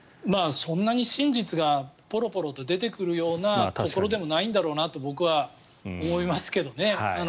そんなに真実がポロポロと出てくるようなところでもないんだろうなと僕は思いますけどね。